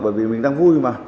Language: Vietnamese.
bởi vì mình đang vui mà